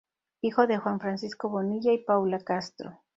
Hijo de Juan Francisco Bonilla y Paula Castro.